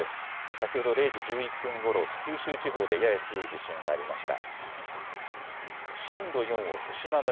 先ほど０時１１分ごろ、九州地方でやや強い地震がありました。